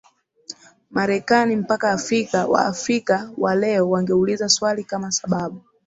Marekani mpaka Afrika Waafrika wa leo wangeuliza swali kama sababu